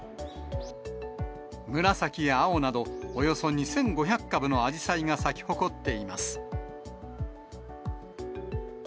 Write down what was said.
紫や青など、およそ２５００株のアジサイが咲き誇っています。